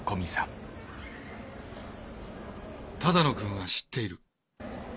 只野くんは知っている。